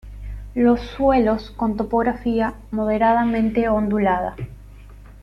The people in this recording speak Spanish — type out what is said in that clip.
Los suelos con topografía moderadamente ondulada.